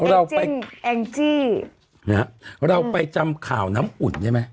ถึงอ่าถึงงานเอ๊งกิ้ครับเราไปจำข่าวน้ำอุ่นใช่มั้ย